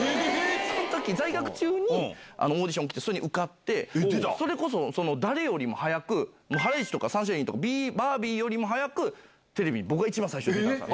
そのとき、在学中にオーディション受けて、それに受かって、それこそ、誰よりも早く、ハライチとかサンシャインとか、バービーとかよりも早く、テレビに僕が一番最初に出た。